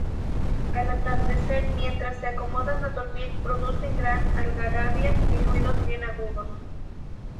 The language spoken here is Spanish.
Al atardecer mientras se acomodan a dormir, producen gran algarabía y ruidos bien agudos.